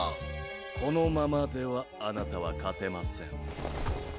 このままではあなたは勝てません。